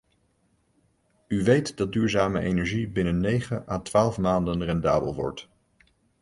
U weet dat duurzame energie binnen negen à twaalf maanden rendabel wordt.